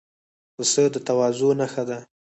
پسه د تواضع نښه ده.